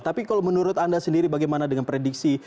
tapi kalau menurut anda sendiri bagaimana dengan prediksi